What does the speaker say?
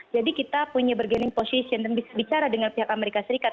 jadi kita punya bergaining position dan bisa bicara dengan pihak amerika serikat